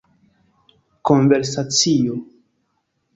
konversacio